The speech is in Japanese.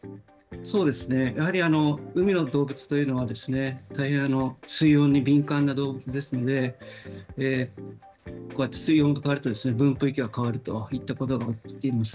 やはり海の動物というのは、大変水温に敏感な動物ですので、こうやって水温が変わると、分布域が変わるといったことが起きています。